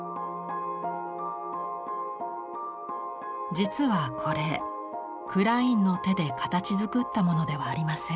実はこれクラインの手で形づくったものではありません。